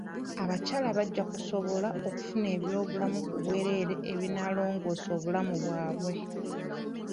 Abakyala bajja kusobola okufuna eby'obulamu ku bwereere ebinaalongoosa obulamu bwabwe.